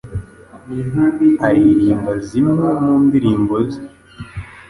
aririmba zimwe mu ndirimbo ze